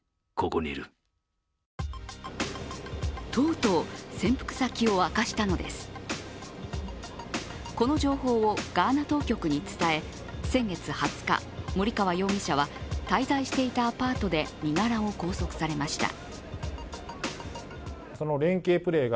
この情報をガーナ当局に伝え先月２０日、森川容疑者は滞在していたアパートで身柄を拘束されました。